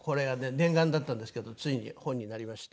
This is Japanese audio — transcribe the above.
念願だったんですけどついに本になりまして。